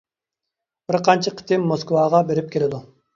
بىر قانچە قېتىم موسكۋاغا بېرىپ كېلىدۇ.